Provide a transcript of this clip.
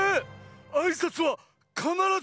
あいさつはかならず。